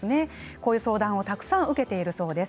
こういう相談をたくさん受けているそうです。